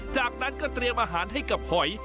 จากนั้นก็เตรียมอาหารให้กับหอย